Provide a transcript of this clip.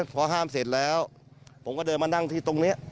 พอห้ามเสร็จแล้วผมก็เดินมานั่งที่ตรงนี้